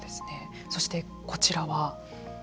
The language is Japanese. そしてこちらは？